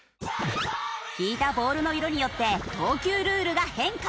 引いたボールの色によって投球ルールが変化。